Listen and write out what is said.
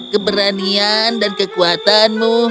keberanian dan kekuatanmu